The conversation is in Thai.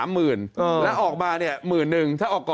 ๓หมื่นแล้วออกมาเนี่ย๑๐๐๐๐๐หนึ่ง